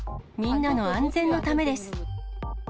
みんなの安全のためです。